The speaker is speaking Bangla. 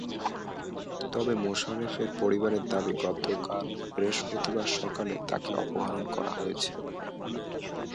তবে মোশারফের পরিবারের দাবি গতকাল বৃহস্পতিবার সকালে তাঁকে অপহরণ করা হয়েছে।